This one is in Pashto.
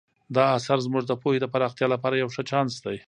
دا اثر زموږ د پوهې د پراختیا لپاره یو ښه چانس دی.